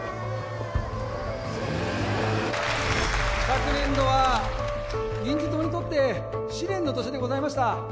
昨年度は民事党にとって試練の年でございました。